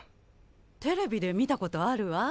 テレビで見たことあるわ。